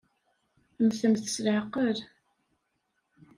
Mmtemt s leɛqel!